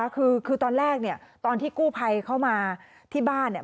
คือตอนแรกเนี่ยตอนที่กู้ภัยเข้ามาที่บ้านเนี่ย